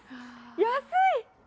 安い！